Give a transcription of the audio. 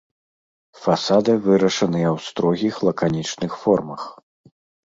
Фасады вырашаныя ў строгіх лаканічных формах.